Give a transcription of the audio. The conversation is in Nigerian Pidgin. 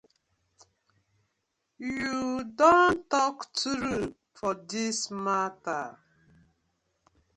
Yu don tok true for dis matter.